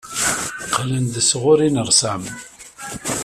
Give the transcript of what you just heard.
Qqlen-d sɣur unersam.